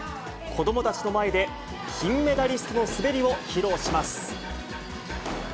子どもたちの前で、金メダリストの滑りを披露します。